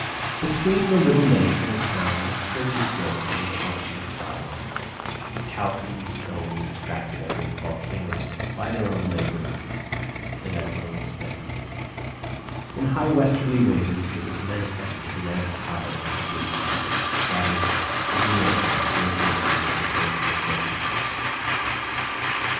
Between the little lake and the town the church is built in the Protestant style, of calcined stones extracted out of the volcanoes by their own labour and at their own expense; in high westerly winds it was manifest that the red tiles of the roof would be scattered in the air, to the great danger of the faithful worshippers.